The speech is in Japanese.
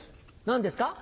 何ですか？